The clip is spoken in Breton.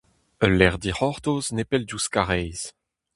Ul lec'h dic'hortoz nepell diouzh Karaez.